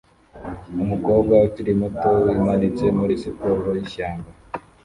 Umukobwa ukiri muto wimanitse muri siporo yishyamba